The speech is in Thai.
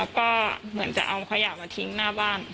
ก็เหมือนจะเอาขยะมาทิ้งหน้าบ้าน